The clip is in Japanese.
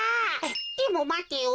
でもまてよ。